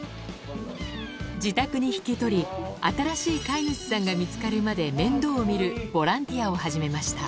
自宅に引き取り新しい飼い主さんが見つかるまで面倒を見るボランティアを始めました